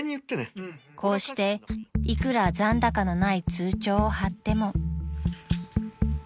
［こうしていくら残高のない通帳を貼っても］